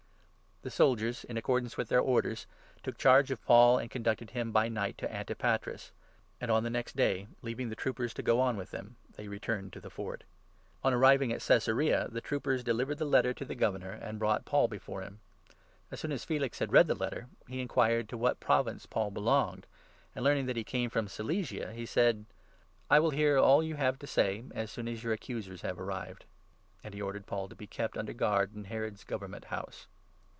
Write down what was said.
The soldiers, in accordance with their orders, took charge 31 of Paul and conducted him by night to Antipatris ; and on the 32 next day, leaving the troopers to go on with him, they returned to the Fort. On arriving at Caesarea, the troopers delivered the 33 letter to the Governor, and brought Paul before him. As soon 34 as Felix had read the letter, he enquired to what province Paul belonged, and, learning that he came from Cilicia, he said :" I will hear all you have to say as soon as your accusers 35 have arrived." And he ordered Paul to be kept under guard in Herod's Government House.